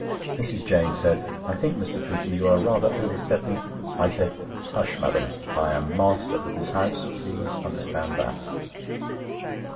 Mrs. James said: "I think, Mr. Pooter, you are rather over stepping—" I said: "Hush, madam. I am master of this house—please understand that."